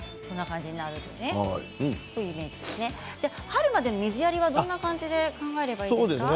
春まで水やりはどんな感じに考えればいいですか。